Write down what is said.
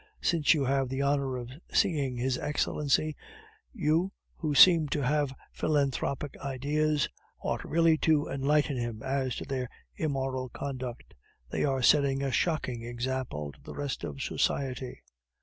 Since you have the honor of seeing his Excellency, you, who seem to have philanthropic ideas, ought really to enlighten him as to their immoral conduct they are setting a shocking example to the rest of society."